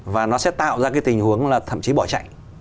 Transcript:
và nó sẽ tạo ra cái tình huống là thậm chí bỏ chạy